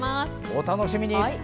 お楽しみに。